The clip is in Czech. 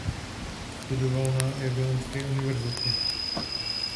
Studoval na Jagellonské univerzitě.